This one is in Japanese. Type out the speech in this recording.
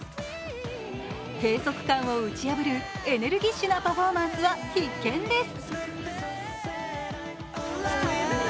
閉塞感を打ち破るエネルギッシュなパフォーマンスは必見です。